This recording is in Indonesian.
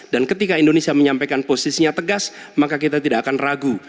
dan ketika indonesia menyampaikan posisinya tegas maka kita tidak akan ragu